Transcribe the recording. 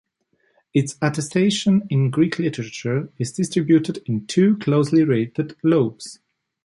Its attestation in Greek literature is distributed in two closely related lobes.